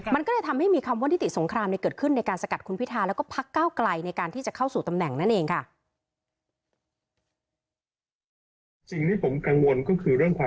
มันก็เลยทำให้มีคำว่านิติสงครามเกิดขึ้นในการสกัดคุณพิธาแล้วก็พักเก้าไกลในการที่จะเข้าสู่ตำแหน่งนั่นเองค่ะ